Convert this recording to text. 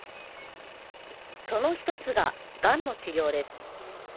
その１つが、がんの治療です。